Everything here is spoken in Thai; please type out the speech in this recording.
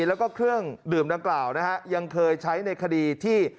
แล้วก็เครื่องดื่มดังกล่าวนะฮะยังเคยใช้ในคดีที่